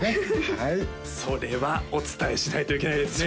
はいそれはお伝えしないといけないですね